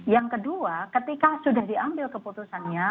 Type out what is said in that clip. yang kedua ketika sudah diambil keputusannya